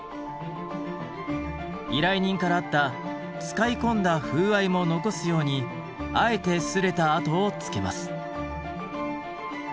依頼人からあった使い込んだ風合いも残すようにあえて擦れた痕をつけます。